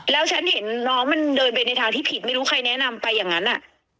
แล้วฉันเห็นน้องมันเดินไปในทางที่ผิดไม่รู้ใครแนะนำไปอย่างนั้นอ่ะ